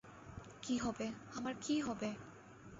কী হবে, আমার কী হবে!